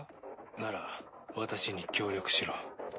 なら私に協力しろ。